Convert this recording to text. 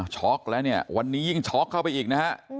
อกแล้วเนี่ยวันนี้ยิ่งช็อกเข้าไปอีกนะฮะ